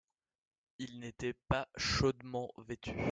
Il n’était pas chaudement vêtu.